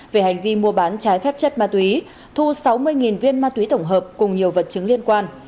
về hành vi mua bán trái phép chất ma túy thu sáu mươi viên ma túy tổng hợp cùng nhiều vật chứng liên quan